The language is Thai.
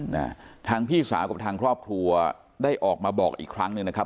นะฮะทางพี่สาวกับทางครอบครัวได้ออกมาบอกอีกครั้งหนึ่งนะครับ